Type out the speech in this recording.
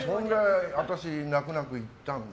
私、泣く泣く行ったんです。